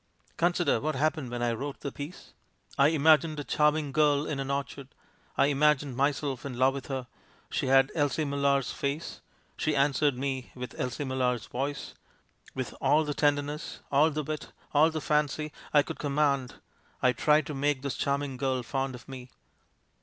"Consider what happened when I wrote the piece ! I imagined a charming girl in an orchard ; I imagined myself in love with her. She had Elsie Millar's face; she answered me with Elsie Millar's voice. With all the tenderness, all the wit, all the fancy I could command I tried to make this charming girl fond of me.